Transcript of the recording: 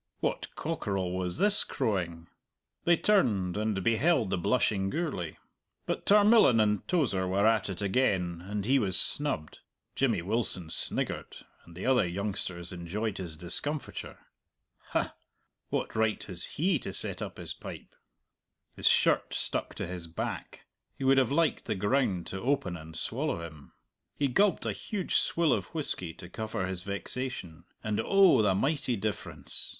What cockerel was this crowing? They turned, and beheld the blushing Gourlay. But Tarmillan and Tozer were at it again, and he was snubbed. Jimmy Wilson sniggered, and the other youngsters enjoyed his discomfiture. Huh! What right has he to set up his pipe? His shirt stuck to his back. He would have liked the ground to open and swallow him. He gulped a huge swill of whisky to cover his vexation; and oh, the mighty difference!